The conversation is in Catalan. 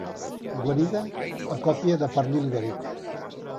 Guarida a còpia de pernil ibèric.